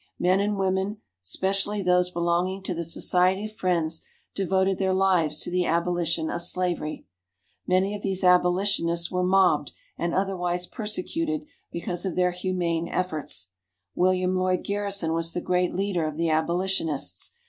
Men and women, specially those belonging to the Society of Friends, devoted their lives to the abolition of slavery. Many of these Abolitionists were mobbed, and otherwise persecuted, because of their humane efforts. William Lloyd Garrison was the great leader of the Abolitionists.